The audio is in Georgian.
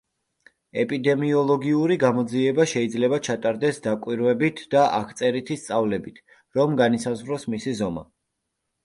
ეპიდემიოლოგიური გამოძიება შეიძლება ჩატარდეს დაკვირვებით და აღწერითი სწავლებით რომ განისაზღვროს მისი ზომა.